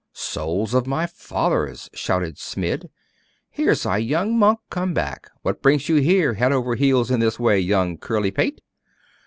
'Souls of my fathers!' shouted Smid, 'here's our young monk come back! What brings you here head over heels in this way, young curly pate?